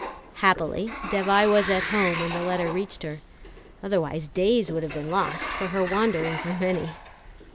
Happily Dévai was at home when the letter reached her; otherwise days would have been lost, for her wanderings are many.